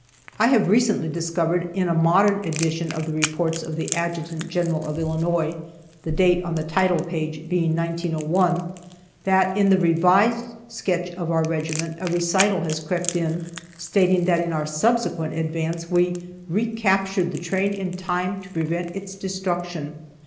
I have recently discovered in a modern edition of the Reports of the Adjutant General of Illinois, (the date on the title page being 1901,) that in the revised sketch of our regiment a recital has crept in stating that in our subsequent advance we "recaptured the train in time to prevent its destruction."